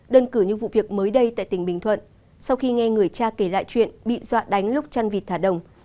đơn cử như vụ việc mới đây tại tỉnh bình thuận sau khi nghe người cha kể lại chuyện bị dọa đánh lúc chăn vịt thả đồng